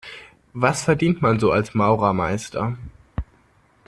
Was verdient man so als Maurermeister?